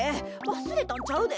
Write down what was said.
わすれたんちゃうで。